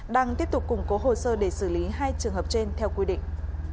đang tiếp tục củng cố hồ sơ để xử lý hai trường hợp trên theo quy định